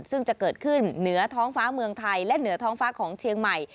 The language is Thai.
ซึ่งจะเกิดขึ้นเหนือท้องฟ้าเมืองไทยและเหนือท้องฟ้าของเชียงใหม่